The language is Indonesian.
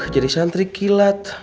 jadi santri kilat